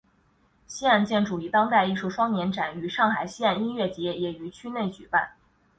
西岸建筑与当代艺术双年展与上海西岸音乐节也于区内举办。